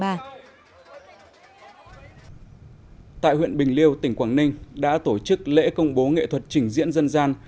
tại huyện bình liêu tỉnh quảng ninh đã tổ chức lễ công bố nghệ thuật trình diễn dân gian